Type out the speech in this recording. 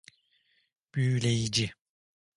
Büyüleyici.